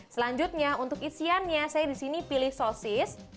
selanjutnya untuk isiannya saya disini pilih sosis